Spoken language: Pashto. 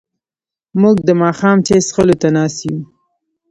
موږ د ماښام چای څښلو ته ناست یو.